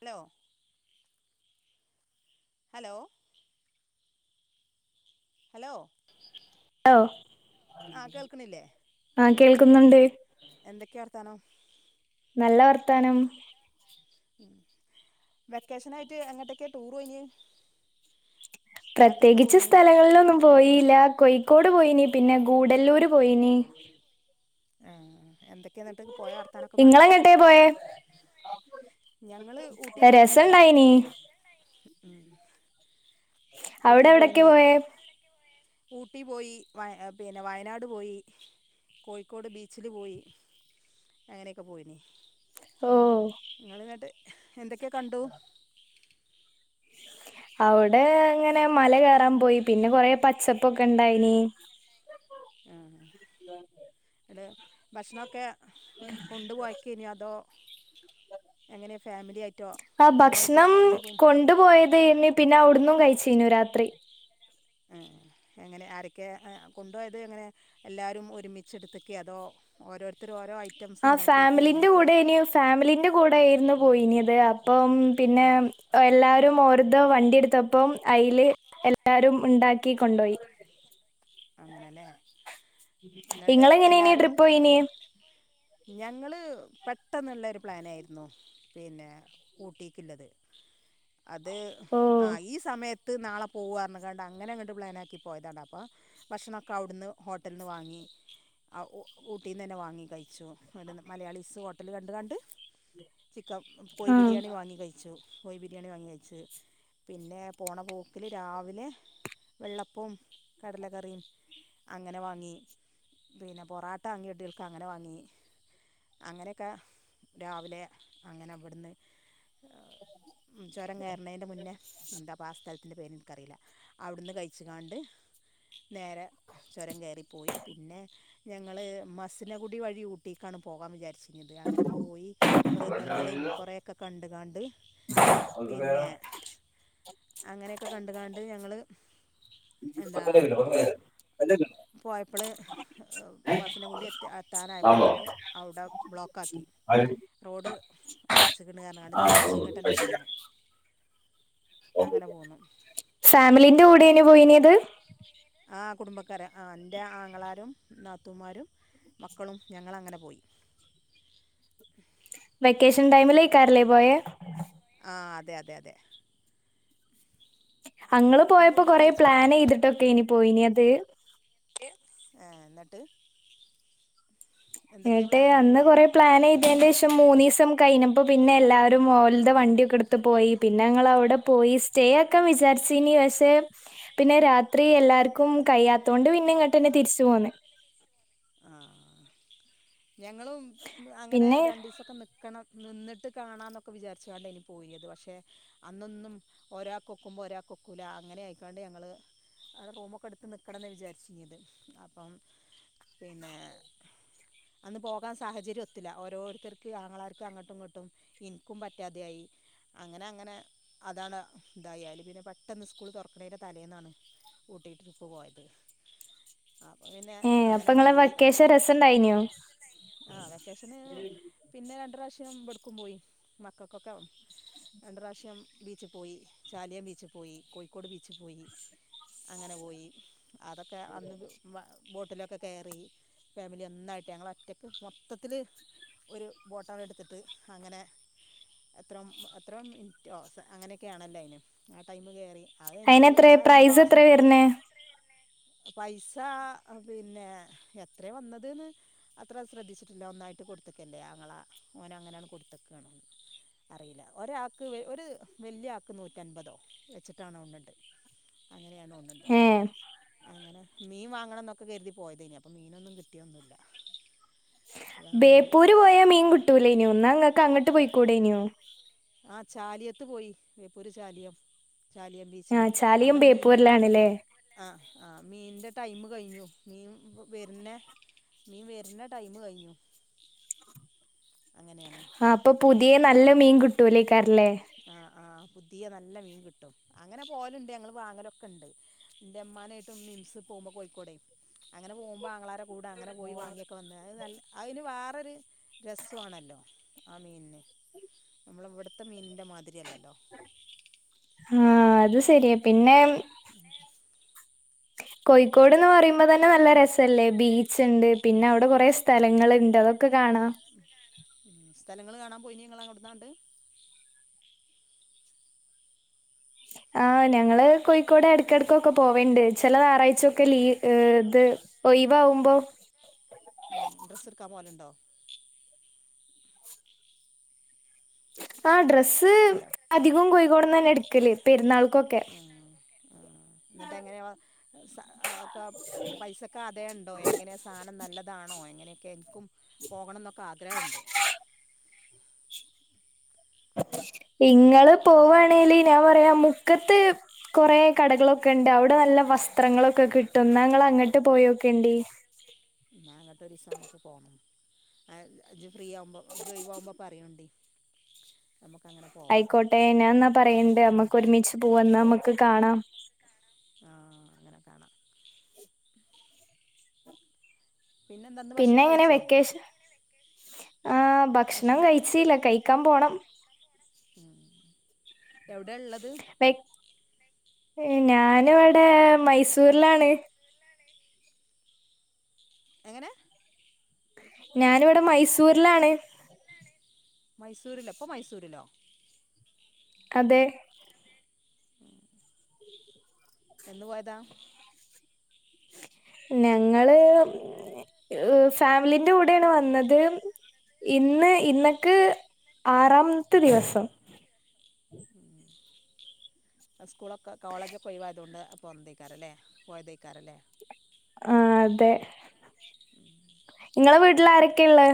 Hello hello hello hello ആ കേൾക്കണില്ലേ ആഹ് കേൾക്കുന്നുണ്ട് എന്തൊക്കെയാ വർത്താനം നല്ല വർത്താനം ഉം വെക്കേഷനായിട്ട് അങ്ങട്ടൊക്കെയ ടൂറ് ഓയ് നി പ്രത്യേകിച്ച് സ്ഥലങ്ങളിലൊന്നും പോയിയില്ല കോഴിക്കോട് പോയിനി പിന്നെ ഗൂഡല്ലൂര് പോയിനി ആഹ് എന്തൊക്കെയ എന്നിട്ട് പോയ വർത്താനൊക്കെ പറി ഇങ്ങളെങ്ങട്ടേ പോയേ ഞങ്ങള് ഊട്ടി പോയിനി രസണ്ടായിനി ഉം ഊട്ടി അവിടെ എവിടൊക്കെ പോയിനി പോയേ ഊട്ടി പോയി പിന്നെ വയനാട് പോയി കോഴിക്കോട് ബീച്ചില് പോയി അങ്ങനെയൊക്കെ പോയി നി ഓ നിങ്ങള് ന്നിട്ട് എന്തൊക്കെയാ കണ്ടു അവിടെ ങ്ങനെ മല കയറാൻ പോയി പിന്നെ കൊറെ പച്ചപ്പൊക്കെ ഇണ്ടായിന് ഇടെ ഭക്ഷണൊക്കെ കൊണ്ടുപോയിക്കയ് നോ അതോ എങ്ങനെ ഫാമിലിയ ആയിട്ടോ കുടുംബമായിട്ടോ എങ്ങനെ പോയി കൊണ്ടുപോയ തെയ് നി ഇന്ന് പിന്നെ അവിടന്നും കഴിച്ചീനു രാത്രി എങ്ങനെ ആരൊക്കെ കൊണ്ടപോയത് എങ്ങനെ എല്ലാവരും ഒരുമിച്ചെടുത്തക്കെ അതോ ഓരോരുത്തർോഓരോ ഐറ്റംസ് ആ ഉണ്ടാക്കിയൊക്കെ ഫാമിലിന്റെ എങ്ങനെയൊക്കെ കൂടെയ്നി ഫാമിലിന്റെ കൂടെ ആയിരുന്നു പോയിനത് അപ്പം പിന്നെ എല്ലാവരും ഓരോ വണ്ടിയെടുത്തപ്പം അയ്ല് എല്ലാവാരും ഉണ്ടാക്കി കൊണ്ടോയി അങ്ങനെല്ലേ ങ്ങള് എങ്ങനെ യിനി ട്രിപ്പ് പോയിന് ഞങ്ങള് പെട്ടെന്നുള്ളരു പ്ലാനായിരുന്നു പിന്നെ ഊട്ടിക്കുള്ളത് അത് ഓ ആഹ് ഈ സമയത്ത് നാളെ പോവ കണ്ട് അങ്ങനെ അങ്ങട്ട് പ്ലാൻ ആക്കി പോയതാണ് അപ്പൊ ഭക്ഷണംമൊക്കെ അവിടുന്ന് ഹോട്ടൽ ന്ന് വാങ്ങി ആഹ് ഊട്ടീ നിന്ന് തന്നെ വാങ്ങി കഴിച്ചു ഒരു മലയാളിസ് ഹോട്ടൽ കണ്ട് കണ്ട് ചിക്കൻ കോഴി ആഹ് ബിരിയാണി വാങ്ങി കഴിച്ചു കോഴി ബിരിയാണി വാങ്ങി കയച്ചു പിന്നെ പോണ പോക്കില് രാവിലെ വെള്ളപ്പവും കടലകറിയും അങ്ങനെ വാങ്ങി പിന്നെ പൊറോട്ട വങ്ങിയ ട്ടിൾക്ക് അങ്ങനെ വാങ്ങി അങ്ങനെയൊക്കെ രാവിലെ അങ്ങനെ അവിടുന്ന് ചുരം കയറുന്നതിൻ്റെ മുന്നേ എന്താ ആഹ് സ്ഥലത്തിൻ്റെ പേര് എനിക്കറിയില്ല അവിടുന്ന് കഴിച്ചുകാണ്ട് നേരെ ചോരം കയറിപ്പോയി പിന്നെ ഞങ്ങൾ മസിനകുടി വഴി ഊട്ടിക്കാണ് പോകാൻ വിചാരിച്ചത് ത് അങ്ങനെ പോയി മൃഗങ്ങളെയും കുറെേൊക്കെ കണ്ട് കാണ്ട് അത് വേറെ അങ്ങനെയൊക്കെ കണ്ടുകാണ്ട് ഞങ്ങള് പട്ട പന അല്ല [unintelligible] പോയപ്പള് മസിന കൂടി എത്താനായപ്പോത്തന് അവിടെ ബ്ലോക്ക ആാക്കി റോഡ് അടച്ചിക്കിണ്ന്ന് റിങ്ങണ്ട് തിരിച്ച ഇങ്ങോട്ട് ന്നെ പോന്നു അങ്ങനെ പോന്നു ഫാമിലിന്റെ കൂടെന് പോയിനത് ആഹ് കുടുംബക്കാരെ ആഹ് എൻ്റെ ആങ്ങളാരും നാത്തൂമാരും മക്കളും ഞങ്ങളങ്ങനെ പോയി വെക്കേഷൻ ടൈമിലേക്കരലേ പോയേ ആഹ് അതെ അതെ അതെ അങ്ങൾ ഇന്ന് പോയപ്പോ ഫുഡൊക്കെ കൊറെ കഴിച്ചോ പ്ലാൻ ചെയ്തിട്ടൊക്കെയ്നി പോയിനിയത് ആഹ് എന്നിട്ട് എന്തൊക്കെയാ ന്നട്ട് പ്ലാനിങ് അന്ന് പറയും കൊറേ പ്ലാൻ ചെയ്തേണ്ടേഷം ഒര് മൂന്നീസം കഴിഞ്ഞപ്പൊ പിന്നല്ലാരും ഓൽതെ വണ്ടിയെക്കെടുത്ത് പോയി. പിന്നങ്ങളവടെ. പോയി, സ്റ്റേ ആക്കാൻ വിചാരിച്ചീനി പക്ഷേ, പിന്നെ രാത്രി എല്ലാർ. ക്കും കയ്യാത്തോണ്ട് പിന്നെ, ഇങ്ങട്ടെന്നെ തിരിച്ച് പോന്ന്. ആഹ്, ഞങ്ങളും അങ്ങനെ പിന്നെ രണ്ടീസൊക്കെ നിക് ക്കണം നിന്നിട്ട് കാണാന്നൊക്കെ, വിചാരിച്ചിക്കാണ്ടെയ്നി പോയെത് പക്ഷെ അന്നൊന്നും ഒരാക്കൊക്കുമ്പോ ഒരാകൊക്കൂല, അങ്ങനായിക്കാണ്ട് ഞങ്ങള്. അവടെ റൂമൊക്കെ എട്ത്ത് നിക്കണന്നെ വിചാരിച്ചീന്നത് അപ്പം പിന്നെ. അന്ന് പോകാൻ സാഹചര്യം ഒത്തില്ല. ഓരോര്ത്തർക്ക്, ആങ്ങളാർക്ക് അങ്ങട്ടും, ഇങ്ങട്ടും. ഇൻക്കും പറ്റാതെയായി. അങ്ങനെ, അങ്ങനെ, അതാണ് ഇതായി, അയല് പിന്നെ പെട്ടെന്ന് സ്കൂള് തെറക്ക്ണെയ്ൻ്റെ തലേന്നാണ്. ഊട്ടി ട്രിപ്പ് പോയത് അപ്പ പിന്നെ ഏ അപ്പൊ അങ്ങനാ നിങ്ങളെ പോയി, വെക്കേഷൻ രസണ്ടായിനോ ആ വെക്കേഷന്. പിന്നെ രണ്ട് പ്രാവശ്യം വട്ക്കും പോയി മക്കൾക്കൊക്കെ രണ്ട് പ്രാഷ്യം ബീച്ച് പോയി. ചാലിയം ബീച്ച് പോയി. കോഴിക്കോട് ബീച്ച് പോയി. അങ്ങനെ പോയി, അതൊക്കെ അന്ന് വ ബോട്ടിലൊക്കെ. കേറി, ഫാമിലി ഒന്നായിട്ട് ഞങ്ങളൊറ്റെക്ക് മൊത്തത്തില്. ഒര് ബോട്ടാണ്ടെടുത്തിട്ട് അങ്ങനെ. എത്രം എത്രോ മിൻറ്റോ അങ്ങെനെക്കെ ആണല്ലോ അയിന് ആ ടൈമ് കേറി. അത് എൻജ്ജേയ് അയിനെത്ര അഎല്ലം പ്രൈസ് എത്ര ആസ്വതി വരുന്നേ പൈസാ പിന്നെ. എത്ര വന്നത് ന്ന്. അത്ര ശ്രദ്ധിച്ചിട്ടില്ല ഒന്നായിട്ട് കൊടുത്ത്ക്കെല്ലെ ആങ്ങളാ ഓനങ്ങനാണ്ട് കൊട്ത്ത്ക്കാണ്. അറീല, ഒരാക്ക് ഒരു വല്യ ആക്ക് നൂറ്റൻപതോ വെച്ചിട്ടാണ് തോൺണ്ണ്ട്. അങ്ങനെയാ തോൺണ്ണ്ട് ഏ അങ്ങനെ മീൻ വാങ്ങെണ ന്നൊക്കെകെര്തി പോയതെയ്നി അപ്പം മീനൊന്നും കിട്ടിയൊന്നുല്ല. ബേപ്പൂര് പോയാ മീൻ കിട്ടൂലേയ്നോ ന്നാ ഇങ്ങക്ക് അങ്ങെട്ട് പോയ്ക്കൂടെയ്ന്നേ. ആ ചാലിയത്ത് പോയി, വേപ്പൂര് ചാലിയം, ചാലിയം, ബീച്ചില്, ആ ചാലിയും അവടെ മീന്റെ ട്ടാ. ബേപ്പൂരിലാണല്ലേ ആഹ് ആ മീന്റെ ടൈം കഴിഞ്ഞു. മീന് വര്നെ. മീൻ വര്ണ ടൈമ് കഴിഞ്ഞു അങ്ങനെണ്. ആ പ്പ പുതിയേ നല്ല മീൻ കിട്ടൂലെയ്ക്കാര ല്ലെ. ആഹ് ആ പുതിയ നല്ല മീൻ കിട്ടും അങ്ങനെ പേവല്ണ്ട് ഞങ്ങള് വാങ്ങലൊക്കെണ്ട്. ന്റെ മ്മാനെയ്ട്ട് മിംസ് പോകുമ്പോ കോഴിക്കോടെ. അങ്ങനെ പോവ്മ്പെ ആങ്ങളരെകൂടെ അങ്ങനെ പോയി വാങ്ങിയൊക്കെ വന്ന് അത് നൽ അയിന് വേറൊരു. രസ്സു ആണല്ലോ ആ മീൻന്. നമ്മളവ്ട്ത്തെ മീനിൻ്റെ മാതിരിയല്ലല്ലോ. ആ അത് സെരിയാ പിന്നെ. പിന്നെ. കോഴിക്കോട്ന്ന് പറിം. ള്ള തന്നെ നല്ല രസല്ലേ. ബീച്ച്ണ്ട്, പിന്നെ അവ്ടെ കൊറേ സ്ഥലങ്ങള്ണ്ട്, അതൊക്കെ കാണാം. സ്ഥലങ്ങള് കാണാൻ പോയീന്നേ ഞള് അവട്ന്നാണ്ട്. ആ ഞങ്ങള് കോഴിക്കോട് എടക്കെടക്കൊക്കെ പോവെണ്ട് ചെല ഞാറായ്ച്ചൊക്കെ ലീ അ് ത്. ഒയിവിവുമ്പോ. ഉം ഡ്രസ്സ് എട്ക്കാൻ പോവലുണ്ടോ. ആ ഡ്രസ്സ് ഹലോ അധികം കോയിക്കോട്ന്നെന്നേ എട്ക്കല് പെരുന്നാൾക്കൊക്കെ. ആ ന്ന്ട്ടെങ്ങനെ വ സ ഒക്കപ്. പൈസക്കാതേയണ്ടോ. എങ്ങനെ സാനം നല്ലതാണോ. എങ്ങനെക്കെ ൻക്കും. പോകണന്നൊക്കെ ആഗ്രഹണ്ട്. ഇങ്ങള് പോവാണെങ്കില് ഞാ പറയാ മുക്കത്ത്. കൊറേ കടകളൊക്കെണ്ട് അവ്ടെ നല്ല വസ്ത്രങ്ങളൊക്കെ കിട്ടും. ന്നാ ങ്ങള് അങ്ങെട്ട് പോയേക്കെണ്ടി. ന്നാ അങ്ങെട്ട് ഒരീസം നമ്മക്ക് പോണം. ആ ജ് ഫ്രീ ആവുമ്പോ ജൊയ് വാവുമ്പൊ പറയോണ്ടി നമുക്ക് അങ്ങനെ പോ- ആയ്ക്കോട്ടെ നാ ന്നാ പറയണ്ട് നമ്മക്ക് ഒരുമിച്ച് പോവ ന്ന നമ്മക്ക് കാണാം ആ അങ്ങനെ കാണ പിന്നെന്താ ഇന്ന് പിന്നെ ഭക്ഷണം എങ്ങനെ കഴിച്ചോ വെക്കേഷൻ ആ ഭക്ഷണം കഴിച്ചല്ല കഴിക്കാം പോണം ഉം എവ്ടെ ള്ളത് വെക് ഏ ഞാന് വടെ മൈസൂര്ലാണ് എങ്ങനെ ഞാന് വടെ മൈസൂര്ലാണ് മൈസൂര്ലൊ ഇപ്പോ മൈസൂര്ലോ അതെ ഉം എന്ന് പോയതാ ഞങ്ങള് ഫാമിലിന്റെ കൂടെയാണ് വന്നത് ഇന്ന് ഇന്നക്ക് ആറാമത്തെ ദിവസം ഉം ആ സ്കൂളൊക്കെ കോളേജൊക്കെ ഒയ് വായ് തോണ്ട് പോന്നതേക്കാരം ലേ പോയതേയ്ക്കാരം ലേ ആ അതെ ഇങ്ങളെ വീട്ട്ല് ആരെക്കേള്ളത്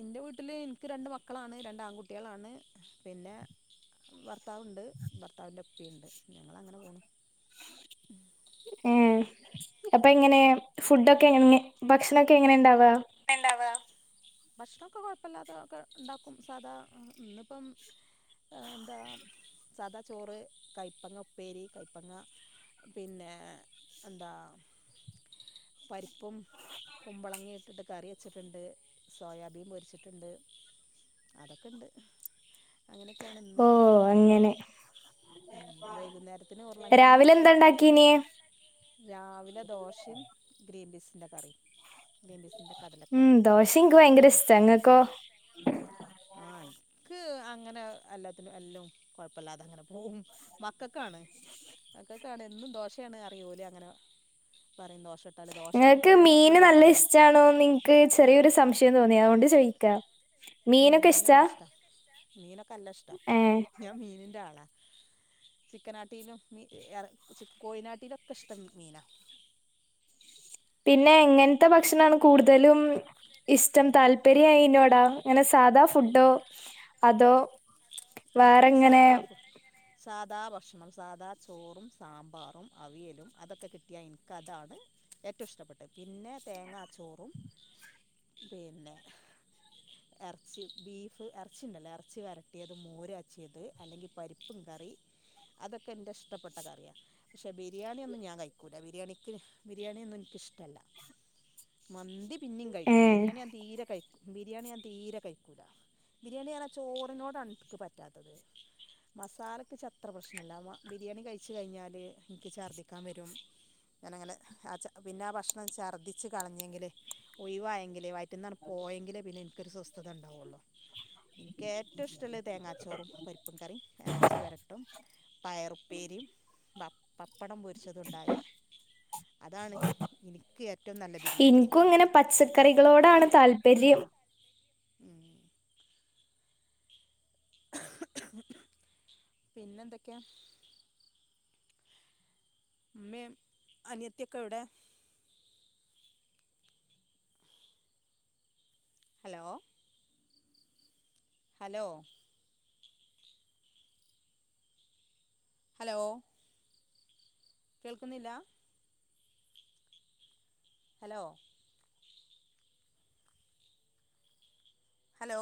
ഇൻ്റെ വീട്ട്ല് എനിക്ക് രണ്ട് മക്കളാണ് രണ്ട് ആൺകുട്ടികളാണ് പിന്നെ ഭർത്താവുണ്ട് ഭർത്താവിന്റെപ്പീണ്ട് ഞങ്ങള അങ്ങനെ പോണ് ഏ അപ്പൊ എങ്ങനെ ഫുഡൊക്കെ എങ്ങനെ ഭക്ഷണൊക്കെ എങ്ങനെ ണ്ടാവാ ഇണ്ടാവാ ഭക്ഷണൊക്കെ കൊഴപ്പല്ലാത ഒക്കെ ണ്ടാക്കും സാധാ ഇന്നിപ്പം എന്താ സദാ ചോറ് കയ്പ്പങ്ങ ഉപ്പേരി കയ്പ്പങ്ങ പിന്നെ എന്താ പരിപ്പും കുമ്പളങ്ങിട്ട് ഇട്ടിട്ട് കറി വച്ചിട്ടുണ്ട് സോയാബീൻ പൊരിച്ചിട്ടുണ്ട് അതൊക്കെണ്ട് അങ്ങനെയൊക്കെയാണ് ഓ ഇന്ന് പിന്നപ്പം അങ്ങനെ ഉം വൈകുന്നേരത്തിന് ഉർളം കേങ് രാവിലെ എന്താ ഹ് പൊ ഉണ്ടാക്കീന് രാവിലെ ദോഷിം ഗ്രീൻ ബീസിൻ്റെ കറിം ഗ്രീൻപീസ് ഉം ദോശ ഇൻക്ക് ഭയങ്കര ഇസ്താ ഇങ്ങക്കോ ഉം ആയ് ക്ക് അങ്ങനെ എല്ലാത്തിനും എല്ലാം കൊഴപ്പല്ലാതെ അങ്ങനെ പോവും മക്കൊക്കാണ് മക്കക്കാണ് എന്നും ദോശയാണ് അറിയൂ അങ്ങനെ പറയും ദോഷ- ങ്ങൾക്ക് മീന് നല്ല ഇഷ്ടമാണോന്ന് ന്ക് ചെറിയൊരു സംശയം തോന്നി അതുകൊണ്ട് ചോയിക്കാ ഉം മീനൊക്കെ ഇഷ്ടാ മീനല്ലഷ്ടം മീനൊക്കെ നല്ല ഇഷ്ട ഏ ഞാൻ മീനിന്റെ ആളാ ചിക്കനാട്ടിയിലും മീ കോയിനാട്ടിയിലൊക്കെ ഇഷ്ടം മീനാ പിന്നെ എങ്ങനത്തെ ഭക്ഷണമാണ് കൂടുതലും ഇസ്ടം താല്പ- പര്യംനോടാ അങ്ങനെ സാധാ ഫുഡോ അതോ എന്ക്ക് വേറെങ്ങനെ സാദാ ഫു- സാധാ ഭക്ഷണം സാധാ ചോറും സാമ്പാറും അവിയലും അതൊക്കെ കിട്ടിയാ എനിക്ക് അതാണ് ഏറ്റവും ഇഷ്ടപ്പെട്ട് പിന്നെ തേങ്ങാച്ചോറും പിന്നെ ഇറച്ചി ബീഫ് ഇറച്ചി ഉണ്ടല്ലോ ഇറച്ചി വരട്- കട്ടിയത് മോരച്ചിയത് അല്ലെങ്കിൽ പരിപ്പും കറി അതൊക്കെ എൻ്റെ ഇഷ്ടപ്പെട്ട കറിയാണ് പക്ഷെ ബിരിയാണിയൊന്നും ഞാൻ കഴിക്കൂല ബിരിയാണിക്ക് ബിരിയാണിയൊന്നും എനിക്കിഷ്ടമല്ല മന്തി പിന്നും ഏ കഴിക്കും ബിരിയാണി ഞാൻ തീരെ കഴിക്കും ബിരിയാണി ഞാ തീര കഴിക്കൂല ബിരിയാണി അറിഞ്ജ ചോ - നോടണ് ന്ക് പറ്റാത്തത് മസാലക്ക്ച്ച അത്ര പ്രശ്നമല്ല ബിരിയാണി കഴിച്ച കഴിഞ്ഞാല് എനിക്ക് ഛർദ്ദിക്കാൻ വരും ഞാനങ്ങനെ ആ പിന്നെ ആ ഭക്ഷണം ഛർദ്ദിച്ച് കളഞ്ഞെങ്കിൽ ഒഴുവായെങ്കിലെ വ - ന്നാർ പോയെങ്കിലേ പിന്നെ എനിക്കൊരു സ്വസ്ഥത ഉണ്ടാവുള്ളോ ഇനിക്കേ റ്റവും ഇഷ്ടുള്ളെ തേങ്ങാച്ചോറും പരിപ്പും കറിം ഇറച്ചി വരട്ടും പയറുപ്പേരിം ബ പപ്പടം പൊരിച്ചതുണ്ടായ അതാണ് ഇനിക്ക് ഏറ്റും നല്ല ബിരിയാണി ഇനിക്കും ഇങ്ങനെ പച്ചക്കറികളോടാണ് താല്പര്യം ഉം പിന്നെന്തൊക്കെയാ? മ്മേം അനിയത്തിക്കെവിടെ? ഹലോ ഹലോ ഹലോ കേൾക്കുന്നില്ലാ? Hello hello